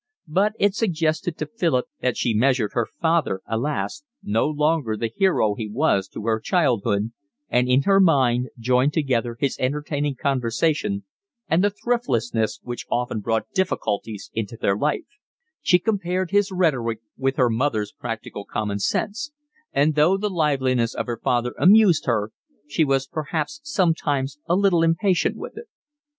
But it suggested to Philip that she measured her father, alas, no longer the hero he was to her childhood, and in her mind joined together his entertaining conversation and the thriftlessness which often brought difficulties into their life; she compared his rhetoric with her mother's practical common sense; and though the liveliness of her father amused her she was perhaps sometimes a little impatient with it.